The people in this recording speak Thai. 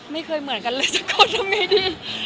ไม่เคยเหมือนกันเลยสักคนทำไมดี